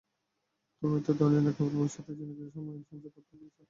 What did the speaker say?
তুমি তো ধনী না, কেবল ভবিষ্যতের জন্য কিছু সঞ্চয় করতে পেরেছ।